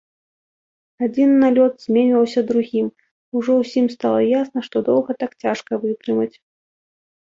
Адзін налёт зменьваўся другім, ужо ўсім стала ясна, што доўга так цяжка вытрымаць.